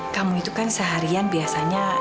kamu itu kan seharian biasanya